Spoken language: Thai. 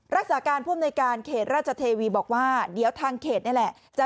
รักษาการผู้อำนวยการเขตราชเทวีบอกว่าเดี๋ยวทางเขตนี่แหละ